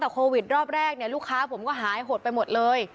แต่โควิดรอบแรกเนี่ยลูกค้าผมก็หายหดไปหมดเลย